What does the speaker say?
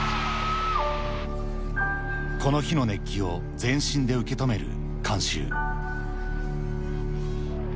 この日の熱気を、全身で受け止める観衆。